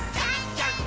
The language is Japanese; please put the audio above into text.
ジャンプ！！